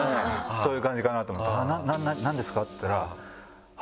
そういう感じかなと思って「何ですか？」って言ったら。